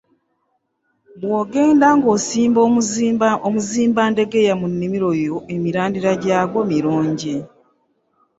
Bw’ogenda ng’osimba omuzimbandegeya mu nnimiro yo emirandira gyagwo mirungi.